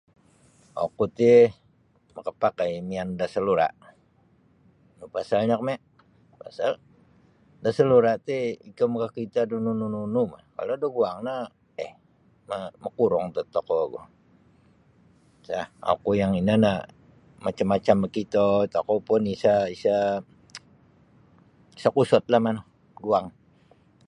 Oku ti makapakai mian da salura nu pasalnya komio pasal da salura ti ikau makakito da nunu bo kalau da guang no um makurung tat tokou ogu isa oku ini nio macam-macam makito tokou pun isa-isa isa kusut lah manu guang.